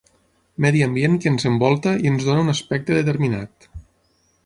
Medi ambient que ens envolta i ens dóna un aspecte determinat.